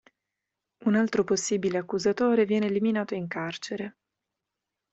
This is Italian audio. Un altro possibile accusatore viene eliminato in carcere.